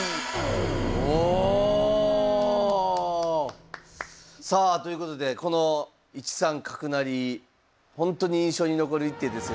おお！さあということでこの１三角成本当に印象に残る一手ですが。